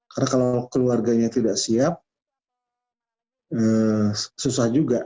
karena kalau keluarganya tidak siap susah juga